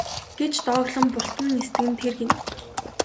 гэж дооглон бултан нисдэг нь тэр гэнэ.